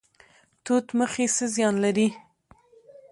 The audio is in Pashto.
توت مخي څه زیان لري؟